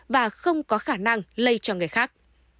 và không có khả năng lây cho người khác